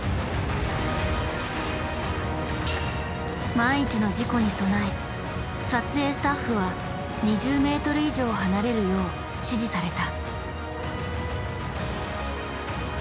万一の事故に備え撮影スタッフは２０ｍ以上離れるよう指示された。